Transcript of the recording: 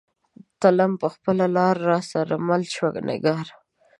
تلم به خپله لار را سره مله شوه نگارا